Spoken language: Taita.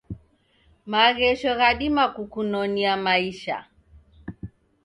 Maghesho ghadima kukunonia maisha